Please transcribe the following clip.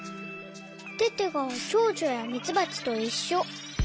テテがチョウチョやミツバチといっしょ。